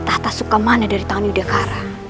tahta sukamana dari tangan yudha kara